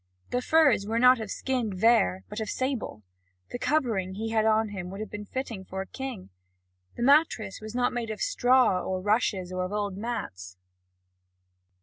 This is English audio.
The furs were not of skinned vair but of sable; the covering he had on him would have been fitting for a king. The mattress was not made of straw or rushes or of old mats.